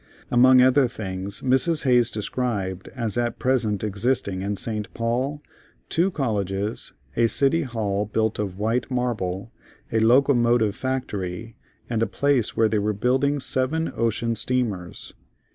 Among other things, Mrs. Hayes described as at present existing in St. Paul, two Colleges, a City Hall built of white marble, a locomotive factory, and a place where they were building seven ocean steamers.